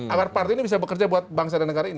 agar partai ini bisa bekerja buat bangsa dan negara ini